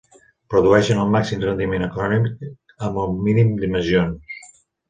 Produeixen el màxim rendiment econòmic amb el mínim d'emissions.